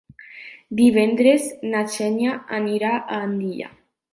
Divendres na Xènia anirà a Andilla.